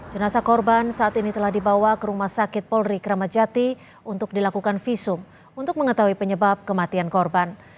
jenazah korban saat ini telah dibawa ke rumah sakit polri kramat jati untuk dilakukan visum untuk mengetahui penyebab kematian korban